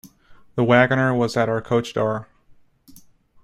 The waggoner was at our coach-door.